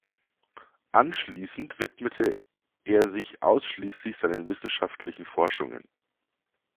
Anschließend widmete er sich ausschließlich seinen wissenschaftlichen Forschungen.